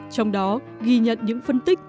trong đó ghi nhận những phân tích